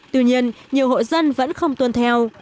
tuy nhiên nhiều hội dân vẫn không tuân theo